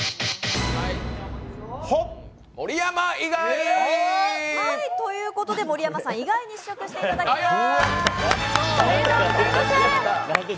こっちですよね、ほっ！ということで盛山さん以外に試食していただきます。